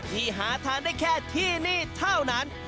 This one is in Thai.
ที่หาทานได้แค่ที่นี่เท่านั้น